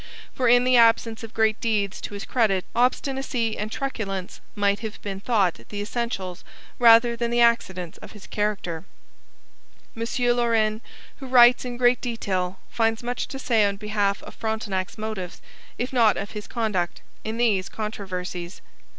For in the absence of great deeds to his credit obstinacy and truculence might have been thought the essentials rather than the accidents of his character. M. Lorin, who writes in great detail, finds much to say on behalf of Frontenac's motives, if not of his conduct, in these controversies.